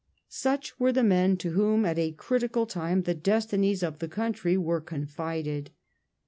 Such were the men to whom at a critical time the destinies The task of the country were confided.